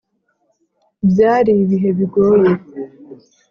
Byari ibihe bigoye!